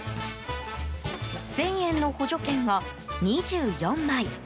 １０００円の補助券が２４枚。